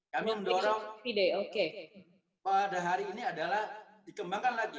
kami mendorong pada hari ini adalah dikembangkan lagi